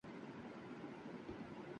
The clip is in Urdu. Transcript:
ھے ھے! خدا نخواستہ وہ اور دشمنی